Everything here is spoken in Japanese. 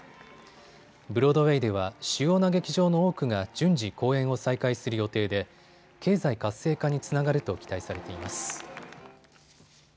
ブロードウェイでは主要な劇場の多くが順次公演を再開する予定で経済活性化につながると期待されています。